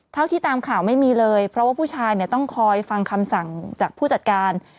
ที่ตามข่าวไม่มีเลยเพราะว่าผู้ชายเนี่ยต้องคอยฟังคำสั่งจากผู้จัดการ